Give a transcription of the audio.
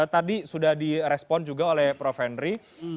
tadi sudah di respon juga oleh prof henry